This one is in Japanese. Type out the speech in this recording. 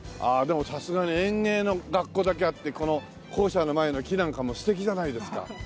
ああでもさすがに園芸の学校だけあってこの校舎の前の木なんかも素敵じゃないですか。